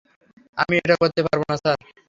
আমি এটা করতে পারব না, স্যার।